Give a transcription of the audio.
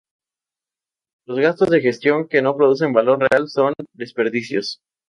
Los gastos de gestión que no producen valor real son desperdicios.